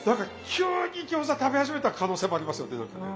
急に餃子食べ始めた可能性もありますよね何かね。